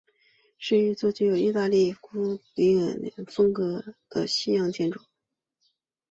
是一座具有意大利古典风格和巴洛克建筑风格的西洋建筑。